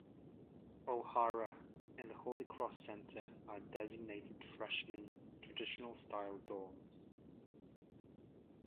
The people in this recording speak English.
O'Hara and The Holy Cross Center are designated freshman traditional-style dorms.